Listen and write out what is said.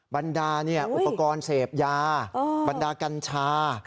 บรรดาอุปกรณ์เสพยาบรรดากัญชา